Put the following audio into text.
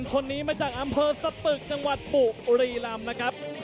คนนี้มาจากอำเภอสตึกจังหวัดบุรีลำนะครับ